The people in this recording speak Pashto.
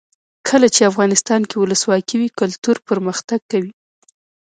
کله چې افغانستان کې ولسواکي وي کلتور پرمختګ کوي.